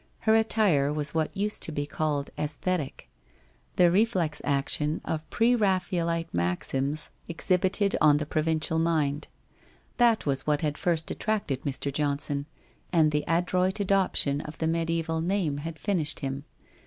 Her attire was what used to be called aesthetic — the reflex action of Preraphaelite maxims 22 338 WHITE ROSE OF WEARY LEAF exhibited on the provincial mind. That was what had first attracted Mr. Johnson, and the adroit adoption of the mediaeval name had finished him.